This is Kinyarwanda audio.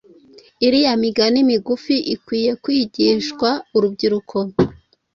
Iriya migani migufi ikwiye kwigishwa urubyiruko.